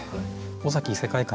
尾崎異世界観。